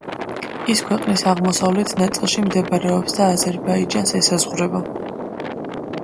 ის ქვეყნის აღმოსავლეთ ნაწილში მდებარეობს და აზერბაიჯანს ესაზღვრება.